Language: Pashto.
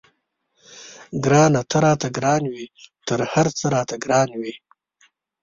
ګرانه ته راته ګران وې تر هر څه راته ګران وې.